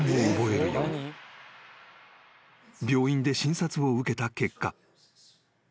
［病院で診察を受けた結果］